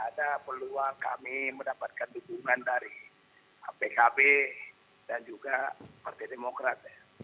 ada peluang kami mendapatkan dukungan dari pkb dan juga partai demokrat